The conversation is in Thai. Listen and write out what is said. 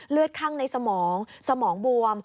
เลือดข้างในสมองสมองบวม